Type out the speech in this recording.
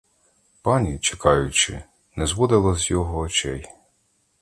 Пані, чекаючи, не зводила з його очей.